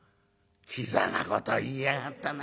「キザなこと言いやがったな。